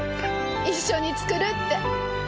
一緒に作るって。